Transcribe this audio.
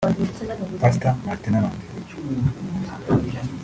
Pastor Martin n’abandi